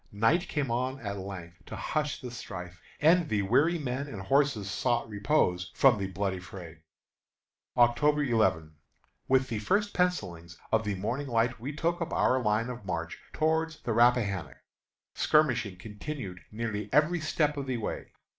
Night came on at length to hush the strife, and the weary men and horses sought repose from the bloody fray. October 11. With the first pencilings of the morning light we took up our line of march toward the Rappahannock. Skirmishing continued nearly every step of the way.